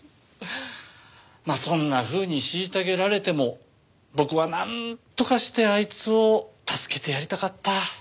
まあそんなふうに虐げられても僕はなんとかしてあいつを助けてやりたかった。